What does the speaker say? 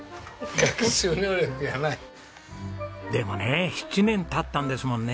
でもね７年経ったんですもんね。